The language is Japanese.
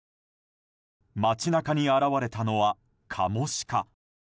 街中に現れたのは、カモシカ。